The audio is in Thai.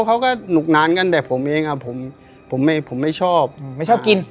เขาก็หนุกนานกันแต่ผมเองครับผมผมไม่ชอบไม่ชอบกิน